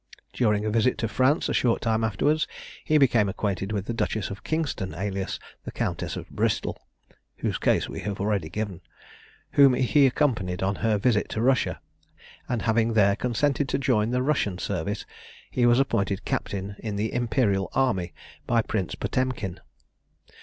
During a visit to France a short time afterwards, he became acquainted with the Duchess of Kingston, alias the Countess of Bristol, (whose case we have already given,) whom he accompanied on her visit to Russia, and having there consented to join the Russian service, he was appointed captain in the Imperial Army by Prince Potemkin.